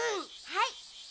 はい。